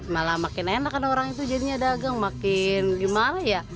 malah makin enak kan orang itu jadinya dagang makin gimana ya